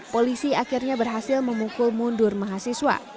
polisi akhirnya berhasil memukul mundur mahasiswa